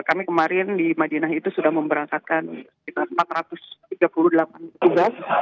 kami kemarin di madinah itu sudah memberangkatkan sekitar empat ratus tiga puluh delapan tugas